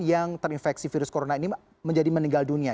yang terinfeksi virus corona ini menjadi meninggal dunia